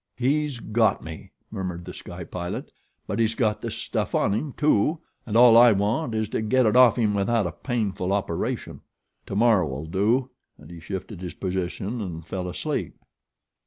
"He's got me," murmured The Sky Pilot; "but he's got the stuff on him, too; and all I want is to get it off of him without a painful operation. Tomorrow'll do," and he shifted his position and fell asleep.